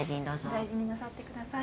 お大事になさってください。